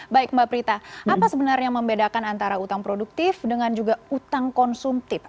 baik mbak prita apa sebenarnya yang membedakan antara hutang produktif dengan juga hutang konsumtif